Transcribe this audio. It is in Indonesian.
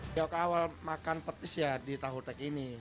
beliau ke awal makan petis ya di tahu tek ini